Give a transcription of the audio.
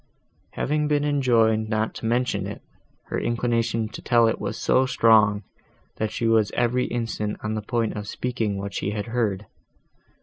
Having been enjoined not to mention it, her inclination to tell it was so strong, that she was every instant on the point of speaking what she had heard.